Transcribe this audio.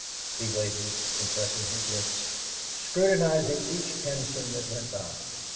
He waited, compressing his lips, scrutinising each hansom that went by.